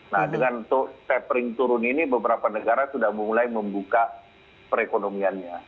nah dengan tapering turun ini beberapa negara sudah mulai membuka perekonomiannya